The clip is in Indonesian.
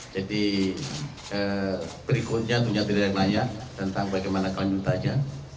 jadi berikutnya punya pilihan lain tentang bagaimana kanjutannya